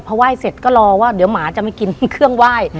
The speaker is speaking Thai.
ไหว้เสร็จก็รอว่าเดี๋ยวหมาจะมากินเครื่องไหว้